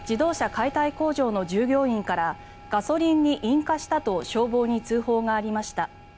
解体工場の従業員からガソリンに引火したと消防に通報がありました。